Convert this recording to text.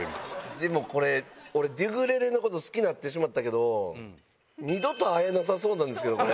でもこれ、俺、デュグレレのこと好きになってしまったけど、二度と会えなさそうなんですけど、これ。